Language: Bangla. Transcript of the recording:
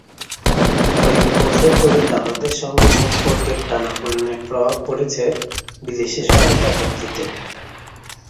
কয়েক বছর ধরে দাতাদের সঙ্গে সম্পর্কের টানাপোড়েনের প্রভাব পড়েছে বিদেশি সহায়তা প্রাপ্তিতে।